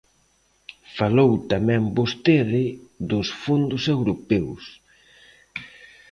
Falou tamén vostede dos fondos europeos.